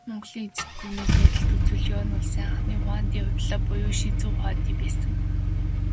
Монголын эзэнт гүрний байдалд үзвэл, Юань улсын анхны хуанди Хубилай буюу Шизү хуанди байсан.